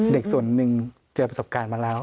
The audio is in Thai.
เด็กส่วนหนึ่งเจอประสบการณ์มาแล้ว